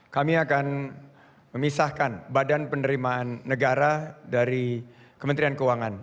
kami akan memisahkan badan penerimaan negara dari kementerian keuangan